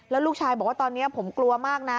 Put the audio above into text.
แล้วลูกชายบอกว่าตอนนี้ผมกลัวมากนะ